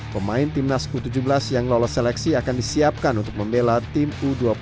pemain timnas u tujuh belas yang lolos seleksi akan disiapkan untuk membela tim u dua puluh